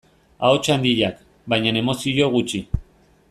Ahots handiak, baina emozio gutxi.